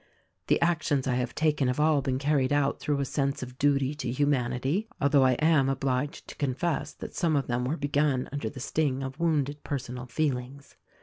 "The actions I have taken have all been carried out through a sense of duty to' humanity, although I am obliged to confess that some of them were begun under the sting of wounded personal feelings.